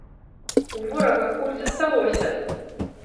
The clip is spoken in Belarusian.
У ворага куль засталося!